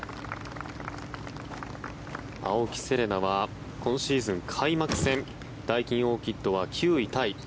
青木瀬令奈は今シーズン開幕戦ダイキンオーキッドは９位タイ。